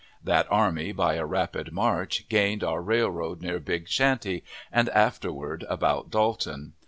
That army, by a rapid march, gained our railroad near Big Shanty, and afterward about Dalton.